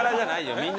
みんなで。